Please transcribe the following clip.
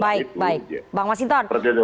baik baik bang mas hinton